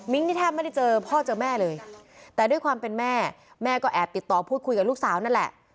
นี่แทบไม่ได้เจอพ่อเจอแม่เลยแต่ด้วยความเป็นแม่แม่ก็แอบติดต่อพูดคุยกับลูกสาวนั่นแหละ